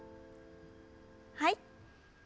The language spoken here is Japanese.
はい。